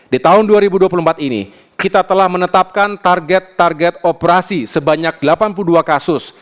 di tahun dua ribu dua puluh empat ini kita telah menetapkan target target operasi sebanyak delapan puluh dua kasus